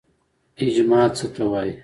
اجماع څه ته وایي؟